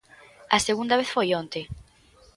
A segunda vez foi onte.